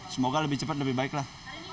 semoga lebih cepat lebih baik lah